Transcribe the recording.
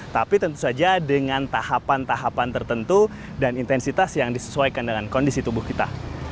tapi tentu saja dengan tahapan tahapan tertentu dan intensitas yang disesuaikan dengan kondisi tubuh kita